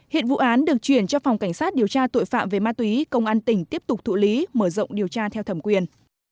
hiện vụ án được chuyển cho phòng cảnh sát điều tra tội phạm về ma túy công an tỉnh tiếp tục thụ lý mở rộng điều tra theo thẩm quyền